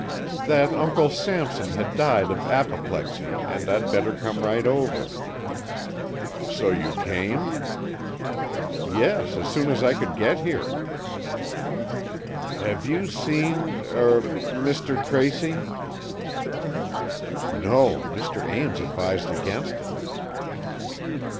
"That Uncle Sampson had died of apoplexy and I'd better come right over." "So you came?" "Yes, as soon as I could get here." "Have you seen—er—Mr. Tracy?" "No; Mr. Ames advised against it."